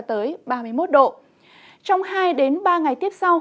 trong hai ba ngày tiếp sau